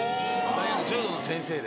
大学柔道の先生で。